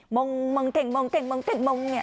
มงมงเต็งมงเต็งมงเต็งมงเนี่ย